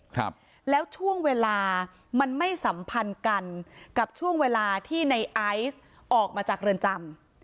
ครับแล้วช่วงเวลามันไม่สัมพันธ์กันกับช่วงเวลาที่ในไอซ์ออกมาจากเรือนจำ